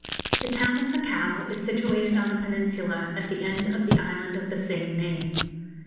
The town of Macao is situated on a peninsula at the end of the island of the same name.